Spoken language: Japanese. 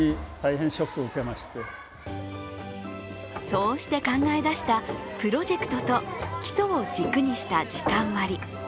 そして考え出したプロジェクトと基礎を軸にした時割。